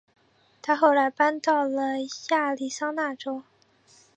她后来搬到了亚利桑那州。